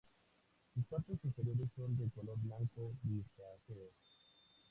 Sus partes inferiores son de color blanco grisáceo.